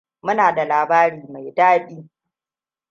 Muna da labari mai daɗi.